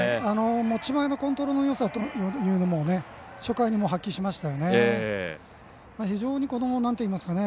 持ち前のコントロールのよさを初回に、発揮しましたね。